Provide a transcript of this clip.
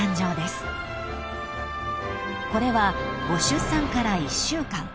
［これはご出産から１週間］